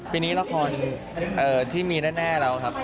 ปีนี้ละครที่มีแน่แล้วครับ